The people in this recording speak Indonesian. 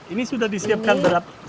ini sudah disiapkan berapa